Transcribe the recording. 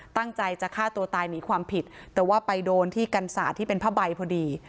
ตั้งใจจะฆ่าตัวตายหนีความผิดแต่ว่าไปโดนที่กันศาสตร์ที่เป็นผ้าใบพอดี